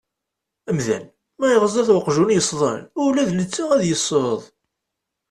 Amdan ma iɣeẓẓa-t uqjun yesḍen ula d netta ad yesseḍ.